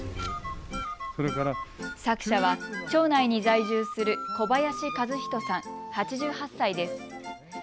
作者は町内に在住する小林一公さん、８８歳です。